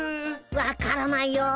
分からないよ。